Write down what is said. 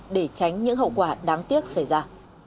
để tránh những hậu quả đáng tiếc xảy ra